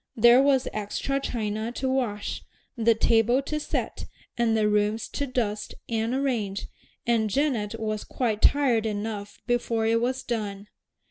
There was extra china to wash, the table to set, and the rooms to dust and arrange, and Janet was quite tired enough before it was done.